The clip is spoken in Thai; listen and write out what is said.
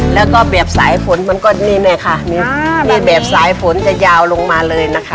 แล้วก็แบบสายฝนมันก็นี่แม่ค่ะนี่แบบสายฝนจะยาวลงมาเลยนะคะ